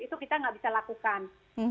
itu kita nggak bisa lakukan